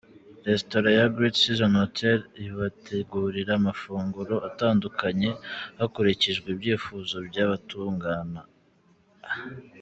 Restaurant ya Great Seasons Hotel ibategurira amafunguro atandukanye hakurikijwe ibyifuzo by’abatugana.